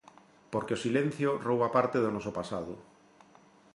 Porque o silencio rouba parte do noso pasado.